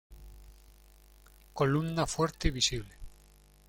Columna fuerte y visible.